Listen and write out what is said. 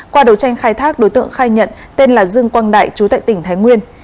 qua đấu tranh khai thác đối tượng khai nhận tên là dương quang đại trú tại tỉnh thái nguyên